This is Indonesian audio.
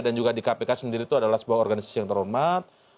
dan juga di kpk sendiri itu adalah sebuah organisasi yang terhormat